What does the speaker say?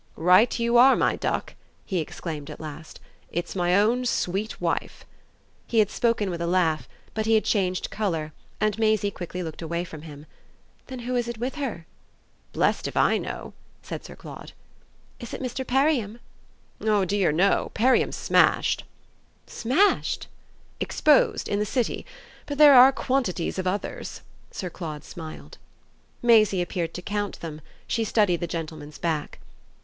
"Right you are, my duck!" he exclaimed at last. "It's my own sweet wife!" He had spoken with a laugh, but he had changed colour, and Maisie quickly looked away from him. "Then who is it with her?" "Blest if I know!" said Sir Claude. "Is it Mr. Perriam?" "Oh dear no Perriam's smashed." "Smashed?" "Exposed in the City. But there are quantities of others!" Sir Claude smiled. Maisie appeared to count them; she studied the gentleman's back.